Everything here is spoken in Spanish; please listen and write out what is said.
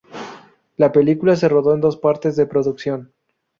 La película se rodó en dos partes de producción.